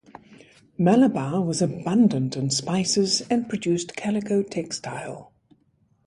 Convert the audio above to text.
Malabar was abundant in spices, and produced calico textile.